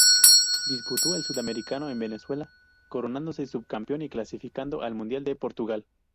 Disputó el Sudamericano en Venezuela, coronándose subcampeón y clasificando al Mundial de Portugal.